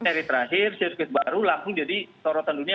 seri terakhir sirkuit baru langsung jadi sorotan dunia